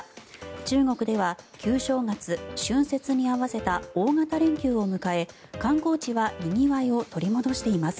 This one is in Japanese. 中国では旧正月・春節に合わせた大型連休を迎え、観光地はにぎわいを取り戻しています。